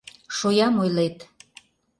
Шоям ойлет!..